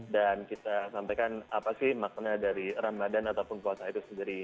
dan kita sampaikan apa sih makna dari ramadan ataupun puasa itu sendiri